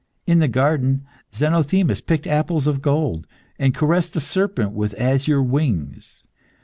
In the garden, Zenothemis picked apples of gold, and caressed a serpent with azure wings.